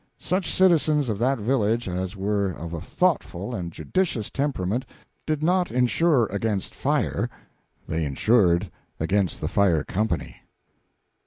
Such citizens of that village as were of a thoughtful and judicious temperament did not insure against fire; they insured against the fire company.